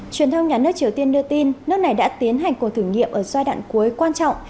truyền thông nhà nước triều tiên đưa tin nước này đã tiến hành cuộc thử nghiệm ở giai đoạn cuối quan trọng